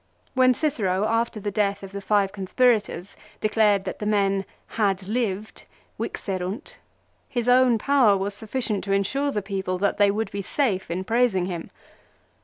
When Cicero after the death of the five con spirators declared that the men " had lived," " vixerunt," his own power was sufficient to ensure the people that they would be safe in praising him.